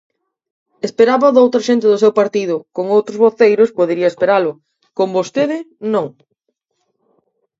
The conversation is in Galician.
Esperábao doutra xente do seu partido, con outros voceiros podería esperalo; con vostede, non.